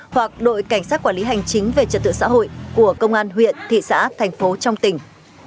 hoặc đội cảnh sát quản lý hành chính về trật tự xã hội của công an huyện thị xã thành phố trong tỉnh